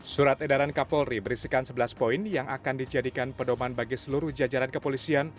surat edaran kapolri berisikan sebelas poin yang akan dijadikan pedoman bagi seluruh jajaran kepolisian